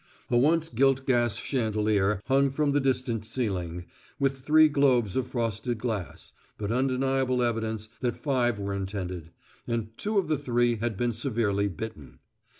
A once gilt gas chandelier hung from the distant ceiling, with three globes of frosted glass, but undeniable evidence that five were intended; and two of the three had been severely bitten.